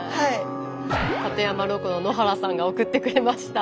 館山ロコの野原さんが送ってくれました。